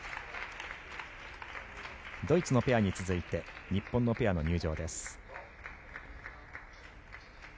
ドイツのペアに続いて日本のペアの入場です。